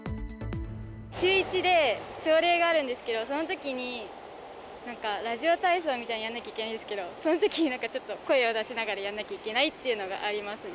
週１で朝礼があるんですけど、そのときになんか、ラジオ体操みたいなのやんなきゃいけないんですけど、そのときになんかちょっと、声を出しながらやんなきゃいけないというのがありますね。